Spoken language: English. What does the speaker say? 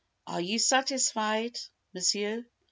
"Are you satisfied, Monsieur?"